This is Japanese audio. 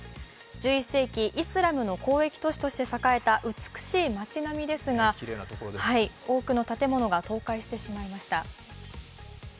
１１世紀、イスラムの交易都市として栄えた美しい街並みですが、多くの建物が倒壊してしまいました。